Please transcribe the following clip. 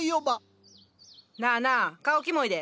なあなあ顔きもいで。